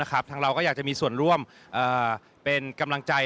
ทางเราก็อยากจะมีส่วนร่วมเป็นกำลังใจ